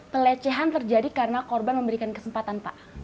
pelecehan terjadi karena korban memberikan kesempatan pak